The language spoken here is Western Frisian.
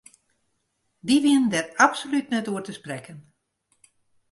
Dy wienen dêr absolút net oer te sprekken.